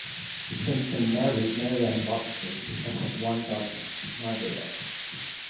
Simpson married Mary Anne Botsford and had one daughter, Margaret.